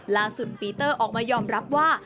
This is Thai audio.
ล่าสุดปีเตอร์ออกมายอมรับว่า